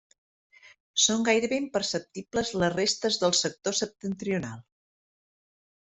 Són gairebé imperceptibles les restes del sector septentrional.